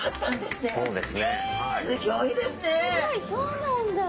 すごいそうなんだ。